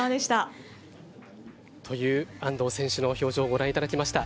という安藤選手の表情をご覧いただきました。